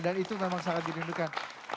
dan itu memang sangat diperlukan